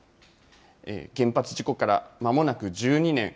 原発事故からまもなく１２年。